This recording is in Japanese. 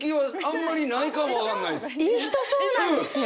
いい人そうなんですよ。